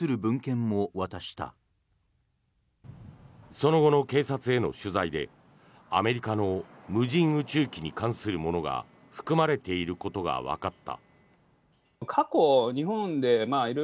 その後の警察への取材でアメリカの無人宇宙機に関するものが含まれていることがわかった。